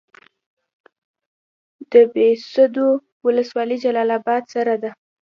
د بهسودو ولسوالۍ جلال اباد سره ده